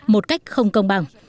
một cách không công bằng